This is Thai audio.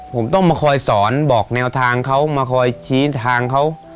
ผมต้องมาคอยสอนบอกแนวทางเขามาคอยชี้ทางเขา